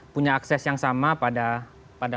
punya akses yang sama pada